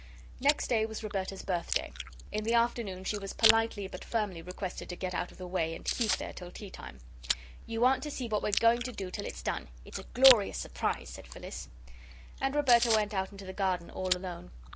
Next day was Roberta's birthday. In the afternoon she was politely but firmly requested to get out of the way and keep there till tea time. "You aren't to see what we're going to do till it's done; it's a glorious surprise," said Phyllis. And Roberta went out into the garden all alone.